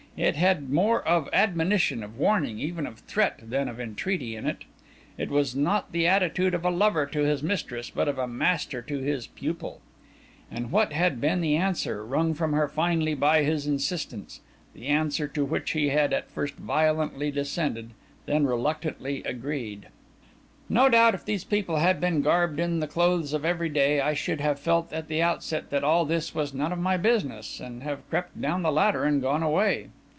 It had more of admonition, of warning, even of threat, than of entreaty in it. It was not the attitude of a lover to his mistress, but of a master to his pupil. And what had been the answer, wrung from her finally by his insistence the answer to which he had at first violently dissented, and then reluctantly agreed? No doubt, if these people had been garbed in the clothes of every day, I should have felt at the outset that all this was none of my business, and have crept down the ladder and gone away.